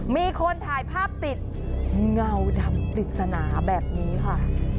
มีคนถ่ายภาพติดเงาดำปริศนาแบบนี้ค่ะ